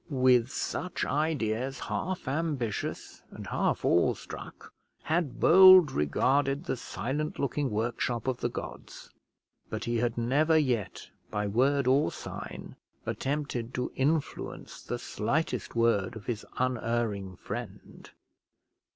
With such ideas, half ambitious and half awe struck, had Bold regarded the silent looking workshop of the gods; but he had never yet by word or sign attempted to influence the slightest word of his unerring friend.